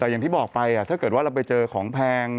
แต่อย่างที่บอกไปถ้าเกิดว่าเราไปเจอของแพง